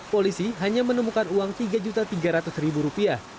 polisi hanya menemukan uang kini